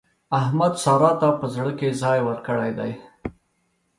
احمد سارا ته په زړه کې ځای ورکړی دی.